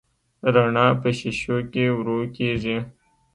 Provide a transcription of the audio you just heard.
رڼا په شیشو کې ورو کېږي.